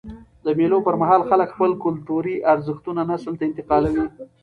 د مېلو پر مهال خلک خپل کلتوري ارزښتونه نسل ته انتقالوي.